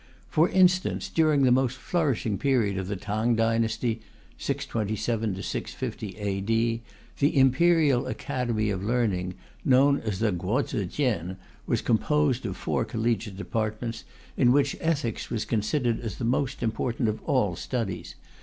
For instance, during the most flourishing period of Tang Dynasty (627 650 A.D.), the Imperial Academy of Learning, known as Kuo tzu chien, was composed of four collegiate departments, in which ethics was considered as the most important of all studies.